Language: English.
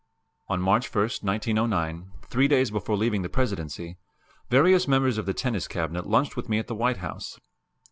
On March 1, 1909, three days before leaving the Presidency, various members of the Tennis Cabinet lunched with me at the White House.